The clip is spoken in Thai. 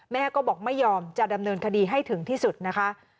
แม่ก็บอกไม่ยอมจะดำเนินคดีให้ถึงที่สุดนะคะ